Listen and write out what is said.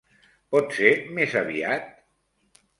Pot ser més aviat?